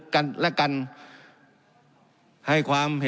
การปรับปรุงทางพื้นฐานสนามบิน